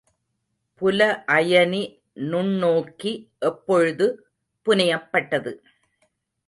புல அயனி நுண்ணோக்கி எப்பொழுது புனையப்பட்டது?